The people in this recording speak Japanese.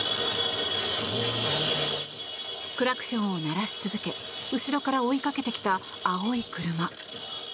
クラクションを鳴らし続け後ろから追いかけてきた青い車。